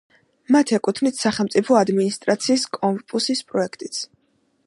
მათ ეკუთვნით სახელმწიფო ადმინისტრაციის კორპუსის პროექტიც.